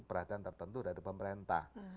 perhatian tertentu dari pemerintah